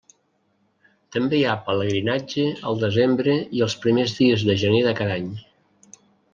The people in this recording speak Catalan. També hi ha pelegrinatge al desembre i els primers dies de gener de cada any.